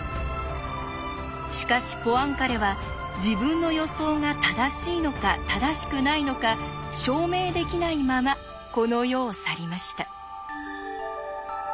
しかしポアンカレは自分の予想が正しいのか正しくないのか証明できないままこの世を去りました。